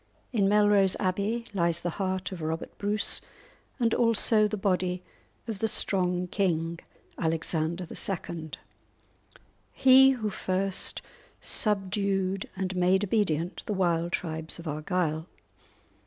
In Melrose Abbey lies the heart of Robert Bruce, and also the body of the strong King Alexander II., he who first subdued and made obedient the wild tribes of Argyle.